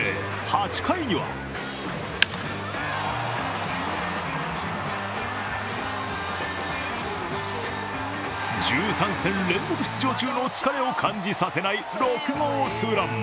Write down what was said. ８回には１３戦連続出場中の疲れを感じさせない６号２ラン。